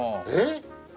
えっ！？